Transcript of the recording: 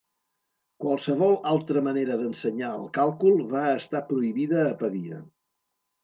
Qualsevol altra manera d'ensenyar el càlcul va estar prohibida a Pavia.